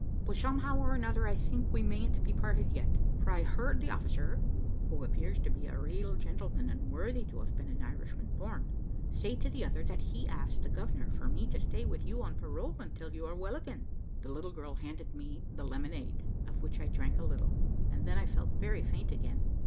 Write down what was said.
But somehow or another, I think we mayn't be parted yet, for I heard the officer (who appears to be a real gentleman, and worthy to have been an Irishman born) say to the other, that he'd ask the governor for me to stay with you on parole, until you are well again." The little girl handed me the lemonade, of which I drank a little, and then I felt very faint again.